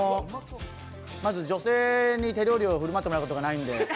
まず女性に手料理を振る舞ってもらうことがないんで。